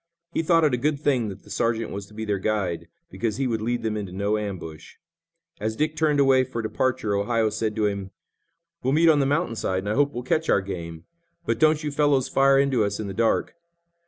He thought it a good thing that the sergeant was to be their guide, because he would lead them into no ambush. As Dick turned away for departure Ohio said to him: "We'll meet on the mountain side, and I hope we'll catch our game, but don't you fellows fire into us in the dark."